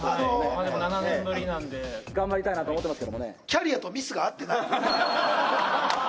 まあでも７年ぶりなんで頑張りたいなと思ってますけどもね